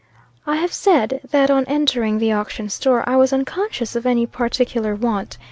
I have said, that on entering the auction store, I was unconscious of any particular want.